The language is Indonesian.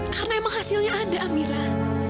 karena emang hasilnya ada amirah